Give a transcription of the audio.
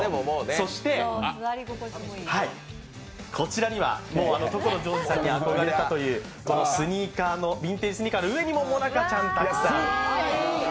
そして、こちらには所ジョージさんに憧れたというビンテージスニーカーの上にも、もなかちゃん。